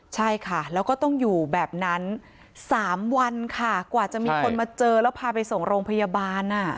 ใช่ค่ะแล้วก็ต้องอยู่แบบนั้น๓วันค่ะกว่าจะมีคนมาเจอแล้วพาไปส่งโรงพยาบาล